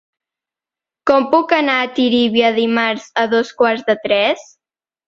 Com puc anar a Tírvia dimarts a dos quarts de tres?